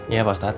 iya pak ustadz